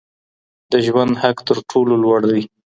د ژوند حق تر ټولو لوړ دی.